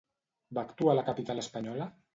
Va actuar a la capital espanyola?